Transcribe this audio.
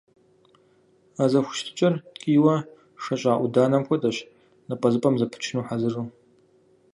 А зэхущытыкӀэр ткӀийуэ шэщӀа Ӏуданэм хуэдэщ, напӀэзыпӀэм зэпычыну хьэзыру.